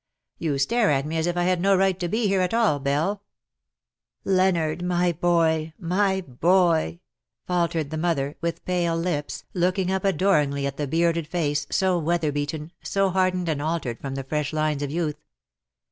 You stare at me as if I had no right to be here at all, Belle/' " Leonard, my boy, my boy," faltered the mother, with pale lips, looking up adoringly at the bearded face, so weather beaten, so hardened and altered from the fresh lines of youth.